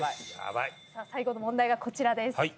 最後の問題がこちらです。